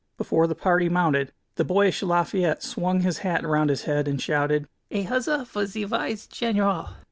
Before the party mounted, the boyish Lafayette swung his hat round his head and shouted: "A huzza for ze wise general!"